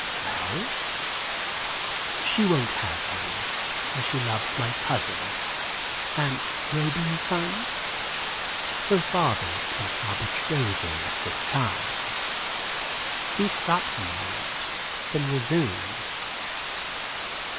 "Well?" "She won't have me, as she loves my cousin, Aunt Roban's son. Her father expects our betrothal at this time." He stops a moment, then resumes.